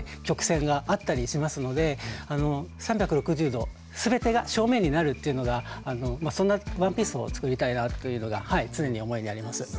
曲線があったりしますので３６０度全てが正面になるというのがそんなワンピースを作りたいなというのがはい常に思いにあります。